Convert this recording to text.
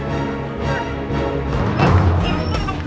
jangan lupa jangan lupa